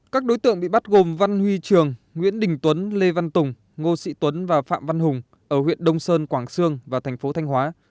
các đối tượng bị bắt gồm văn huy trường nguyễn đình tuấn lê văn tùng ngô sĩ tuấn và phạm văn hùng ở huyện đông sơn quảng sương và thành phố thanh hóa